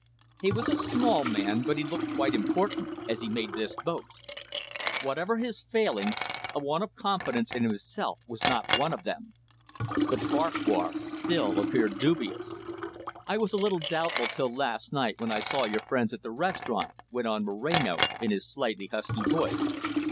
He was a small man, but he looked quite important as he made this boast. Whatever his failings, a want of confidence in himself was not one of them. But Farquhar still appeared dubious. "I was a little doubtful till last night when I saw your friends at the restaurant," went on Moreno, in his slightly husky voice.